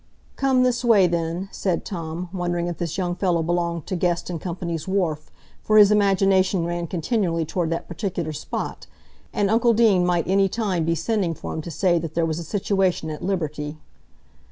"Come this way, then," said Tom, wondering if this young fellow belonged to Guest & Co.'s Wharf, for his imagination ran continually toward that particular spot; and uncle Deane might any time be sending for him to say that there was a situation at liberty.